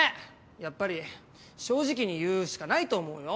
やっぱり正直に言うしかないと思うよ。